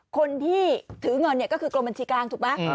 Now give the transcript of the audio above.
คนที่ถือเงินก็คือกรมบัญชีกลางถูกไหม